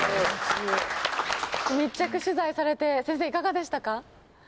密着取材されて、先生、いかがでしたか。